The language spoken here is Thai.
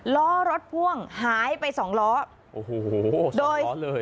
ล้อรถพ่วงหายไปสองล้อโอ้โหโดยล้อเลย